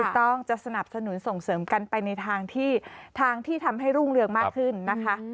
ต้องจะสนับสนุนส่งเสริมกันไปในทางที่ทางที่ทำให้รุ่งเรืองมากขึ้นนะคะ